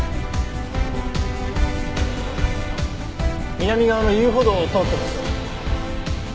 南側の遊歩道を通ってます。